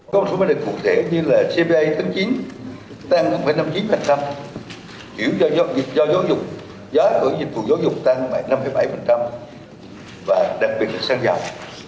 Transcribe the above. do giáo dục giá của dịch vụ giáo dục tăng năm bảy và đặc biệt là sang giàu